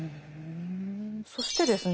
そしてですね